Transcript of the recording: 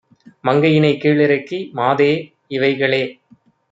மங்கையினைக் கீழிறக்கி, "மாதே! இவைகளே